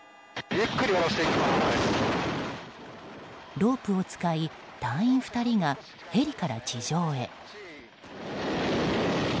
ロープを使い隊員２人がヘリから地上へ。